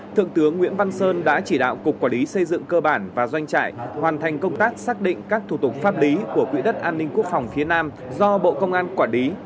thượng tướng nguyễn văn sơn đã chỉ đạo cục quản lý xây dựng cơ bản và doanh trại hoàn thành công tác xác định các thủ tục pháp lý của quỹ đất an ninh quốc phòng phía nam do bộ công an quản lý